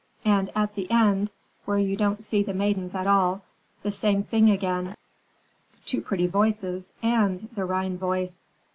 "And at the end, where you don't see the maidens at all, the same thing again: two pretty voices and the Rhine voice."